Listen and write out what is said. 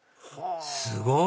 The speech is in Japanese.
すごい！